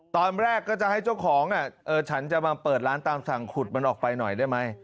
ตอนแรกก็จะให้เจ้าของฉันจะมาเปิดร้านตามสั่งขุดมันออกไปหน่อยได้ไหม